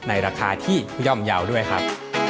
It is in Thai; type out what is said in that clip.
ในราคาที่ย่อมเยาว์ด้วยครับ